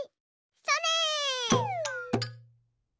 それ！